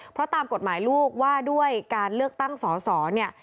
เพราะตามกฎหมายลูกว่าด้วยการเลือกตั้งสอสอเนี่ย